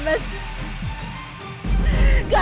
lepaskan aku bilang mas